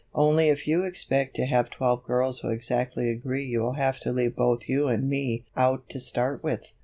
Only if you expect to have twelve girls who exactly agree you will have to leave both you and me out to start with."